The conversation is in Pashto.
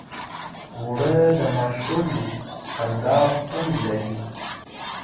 اوړه د ماشوم خندا خوند لري